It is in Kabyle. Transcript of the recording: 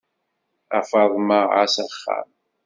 A Faḍma, εass axxam!